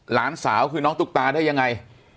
หลานสาวคือน้องตุ๊กตาได้ยังไง